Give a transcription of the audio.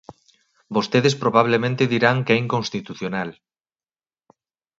Vostedes probablemente dirán que é inconstitucional.